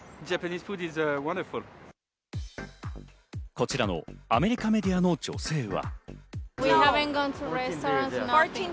こちらのアメリカメディアの女性は。